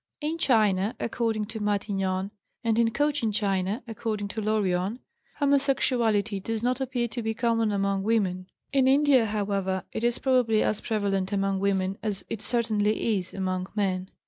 In China (according to Matignon) and in Cochin China (according to Lorion) homosexuality does not appear to be common among women. In India, however, it is probably as prevalent among women as it certainly is among men.